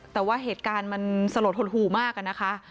แต่ว่าเหตุการณ์มันสลดหดหู่มากอะนะคะ